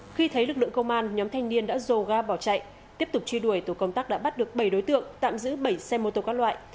khi thấy lực lượng công an nhóm thanh niên đã dồ ga bỏ chạy tiếp tục truy đuổi tổ công tác đã bắt được bảy đối tượng tạm giữ bảy xe mô tô các loại